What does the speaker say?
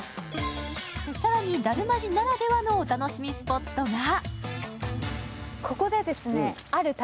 更に、達磨寺ならではのお楽しみスポットが。